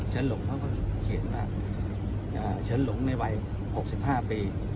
เชิ้ลหลวงเขาก็เขียนว่าเชิ้ลหลวงในวัย๖๕ปี